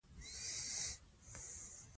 پیسې وسیله ده نه هدف.